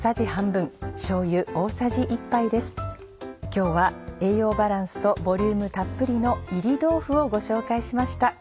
今日は栄養バランスとボリュームたっぷりの「炒り豆腐」をご紹介しました。